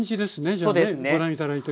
じゃあねご覧頂いてるような。